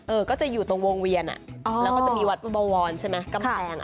ก็จะอยู่ตรงวงเวียนอ่ะแล้วก็จะมีวัดบวรใช่ไหมกำแพง